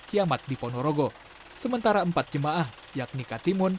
ketiga warga desa yang ditemukan adalah